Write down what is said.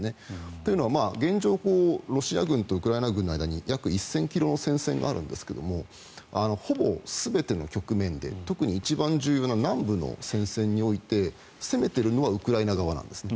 というのは現状、ロシア軍とウクライナ軍の間に約１０００ｋｍの戦線があるんですがほぼ全ての局面で特に一番重要な南部の戦線において攻めているのはウクライナ側なんですね。